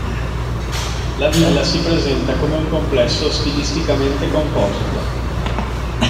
La villa si presenta come un complesso stilisticamente composito.